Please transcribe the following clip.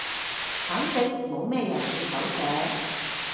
反正冇咩人要手寫